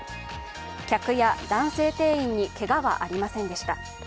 客や男性店員にけがはありませんでした。